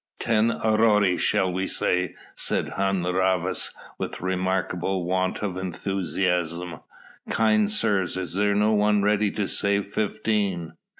"Ten aurei shall we say?" said Hun Rhavas with remarkable want of enthusiasm; "kind sirs, is there no one ready to say fifteen?